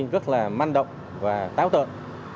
rất là man động và táo tợn